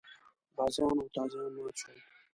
غازیان او تازیان مات شول.